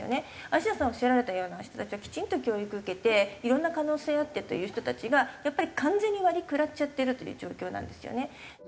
あしやさんおっしゃられたような人たちはきちんと教育受けていろんな可能性あってという人たちがやっぱり完全に割食らっちゃってるという状況なんですよね。